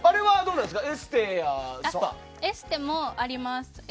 エステもあります。